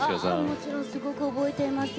もちろん覚えています。